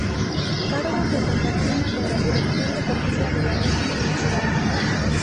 Cargo que compagina con la Dirección Deportiva de la misma entidad.